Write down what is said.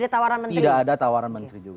tidak ada tawaran menteri